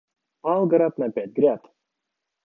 Пал град на пять гряд.